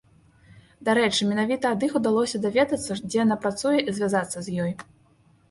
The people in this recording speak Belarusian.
Дарэчы, менавіта ад іх удалося даведацца, дзе яна працуе і звязацца з ёй.